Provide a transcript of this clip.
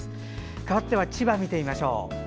かわっては千葉見てみましょう。